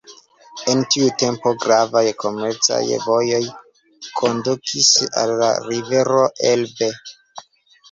En tiu tempo gravaj komercaj vojoj kondukis al la rivero Elbe.